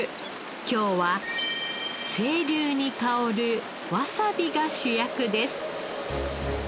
今日は清流に香るわさびが主役です。